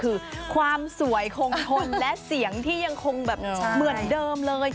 คือความสวยคงทนและเสียงที่ยังคงแบบเหมือนเดิมเลย